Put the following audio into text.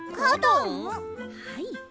はい。